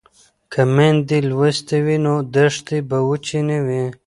که میندې لوستې وي نو دښتې به وچې نه وي.